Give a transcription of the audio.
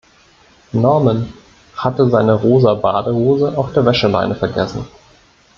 Norman hatte seine rosa Badehose auf der Wäscheleine vergessen.